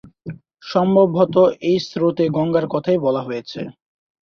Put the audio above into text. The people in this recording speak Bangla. সম্ভবত এই স্তোত্রে গঙ্গার কথাই বলা হয়েছে।